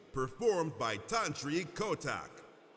performed by tantri kotak